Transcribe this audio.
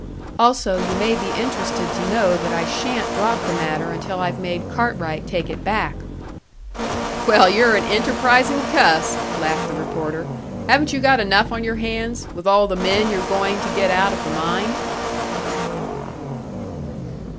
"Also you may be interested to know that I shan't drop the matter until I've made Cartwright take it back." "Well, you're an enterprising cuss!" laughed the reporter. "Haven't you got enough on your hands, with all the men you're going to get out of the mine?"